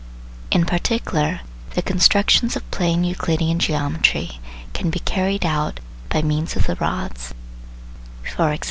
In particular, the constructions of plane Euclidean geometry can be carried out by means of the rods e.g.